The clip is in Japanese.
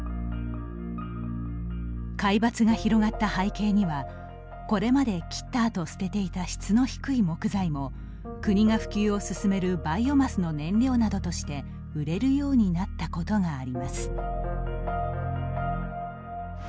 皆伐が広がった背景にはこれまで切ったあと捨てていた質の低い木材も国が普及を進めるバイオマスの燃料などとして売れるようになったことがあります。